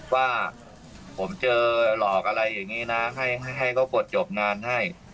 ว่าผมเจอหลอกอะไรอย่างนี้นะให้เขากดจบงานให้